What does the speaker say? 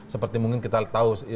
seperti mungkin kita tahu